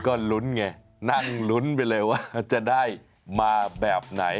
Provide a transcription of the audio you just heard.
ก็ลุ้นไงนั่งลุ้นไปเลยว่าจะได้มาแบบไหน